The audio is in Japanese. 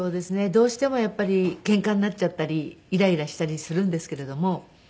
どうしてもやっぱりケンカになっちゃったりイライラしたりするんですけれども。